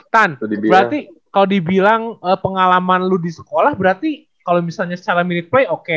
tan berarti kalau dibilang pengalaman lu di sekolah berarti kalau misalnya secara minute play oke